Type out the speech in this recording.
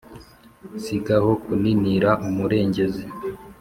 sigaho kuninira umurengezi